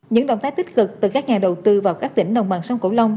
những động thái tích cực từ các nhà đầu tư vào các tỉnh đồng bằng sông cổ long